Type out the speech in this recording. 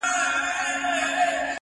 • غرڅه لیري ځغلېدی تر ده د وړاندي -